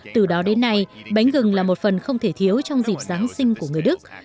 từ đó đến nay bánh gừng là một phần không thể thiếu trong dịp giáng sinh của người đức